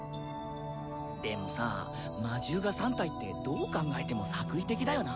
でもさ魔獣が３体ってどう考えても作為的だよな。